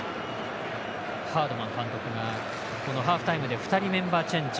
ハードマン監督がハーフタイムで２人、メンバーチェンジ。